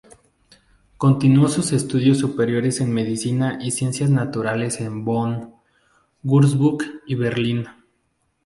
Continuó sus estudios superiores en medicina y ciencias naturales en Bonn, Würzburg y Berlín.